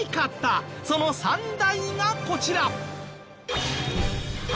その３大がこちら！